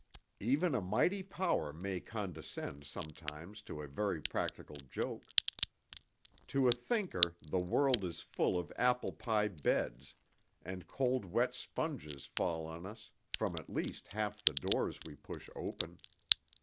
Even a mighty power may condescend sometimes to a very practical joke. To a thinker the world is full of apple pie beds, and cold wet sponges fall on us from at least half the doors we push open.